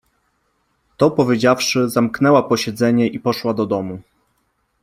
To powiedziawszy, zamknęła posiedzenie i poszła do domu.